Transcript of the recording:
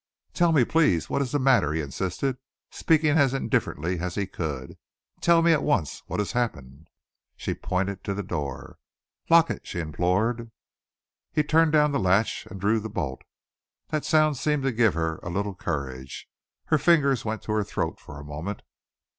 "Tell me, please, what is the matter?" he insisted, speaking as indifferently as he could. "Tell me at once what has happened?" She pointed to the door. "Lock it!" she implored. He turned down the latch and drew the bolt. The sound seemed to give her a little courage. Her fingers went to her throat for a moment.